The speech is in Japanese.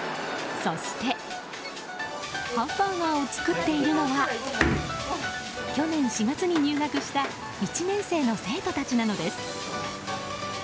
そしてハンバーガーを作っているのは去年４月に入学した１年生の生徒たちなんです。